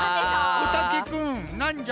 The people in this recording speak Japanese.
おたけくんなんじゃ？